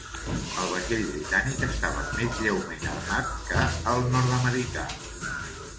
El vaixell britànic estava més lleument armat que el nord-americà.